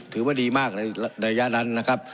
ถือว่าดีมากในระยะนั้นนะครับ